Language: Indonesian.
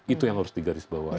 itu yang harus di garis bawahi